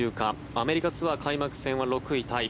アメリカツアー開幕戦は６位タイ。